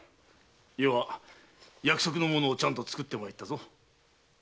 余は約束の物をちゃんと作ってまいったぞ。